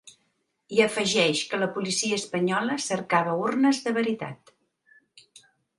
I afegeix que la policia espanyola cercava urnes de veritat.